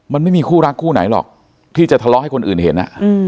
มันไม่มีคู่รักคู่ไหนหรอกที่จะทะเลาะให้คนอื่นเห็น